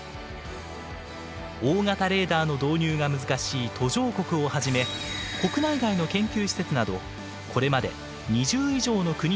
大型レーダーの導入が難しい途上国をはじめ国内外の研究施設などこれまで２０以上の国と地域で使われています。